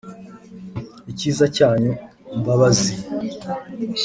Icyiza cyanyu Mbabazi